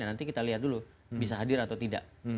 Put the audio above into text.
nanti kita lihat dulu bisa hadir atau tidak